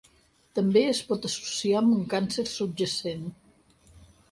També es pot associar amb un càncer subjacent.